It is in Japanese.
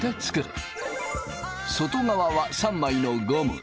外側は３枚のゴム。